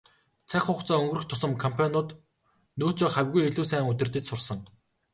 Цаг хугацаа өнгөрөх тусам компаниуд нөөцөө хавьгүй илүү сайн удирдаж сурсан.